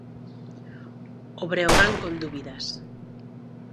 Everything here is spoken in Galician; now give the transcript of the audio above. O Breogán con dúbidas.